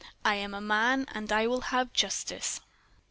"I AM A MAN, AND I WILL HAVE JUSTICE."